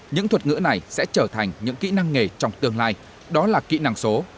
những thuật ngữ này sẽ trở thành những kỹ năng nghề trong tương lai đó là kỹ năng số